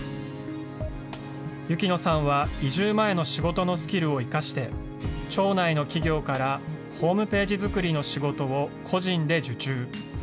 雪野さんは移住前の仕事のスキルを生かして、町内の企業からホームページ作りの仕事を個人で受注。